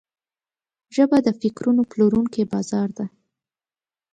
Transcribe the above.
ژبه د فکرونو پلورونکی بازار ده